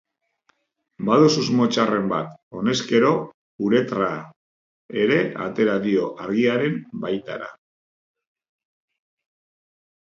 Badu susmo txarren bat, honezkero uretra ere atera dio argiaren baitara.